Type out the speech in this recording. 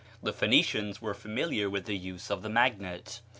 The Phoenicians were familiar with the use of the magnet.